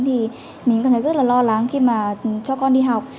thì mình cảm thấy rất là lo lắng khi mà cho con đi học